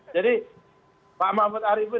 jadi pak mahfud arifin